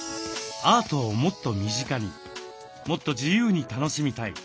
アートをもっと身近にもっと自由に楽しみたい。